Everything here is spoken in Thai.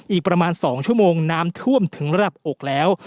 อีกประมาณ๒ชั่วโมงน้ำท่วมถึงระดับอกแล้ว